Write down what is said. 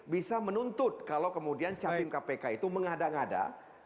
bisa menuntut kalau kemudian capim kpk itu mengada ngada